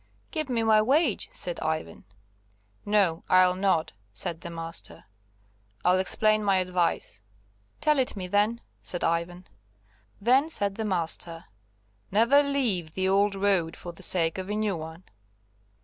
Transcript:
"Give me my wage," said Ivan. "No, I'll not," said the master; "I'll explain my advice." "Tell it me, then," said Ivan. Then, said the master, "Never leave the old road for the sake of a new one."